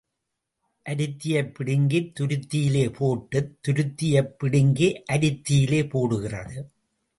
அருத்தியைப் பிடுங்கித் துருத்தியிலே போட்டுத் துருத்தியைப் பிடுங்கி அருத்தியிலே போடுகிறது.